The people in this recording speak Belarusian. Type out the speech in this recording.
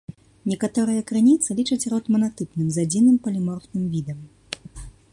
Некаторыя крыніцы лічаць род манатыпным з адзіным паліморфным відам.